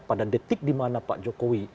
pada detik dimana pak jokowi